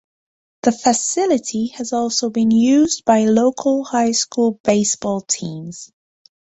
The facility has also been used by local high school baseball teams.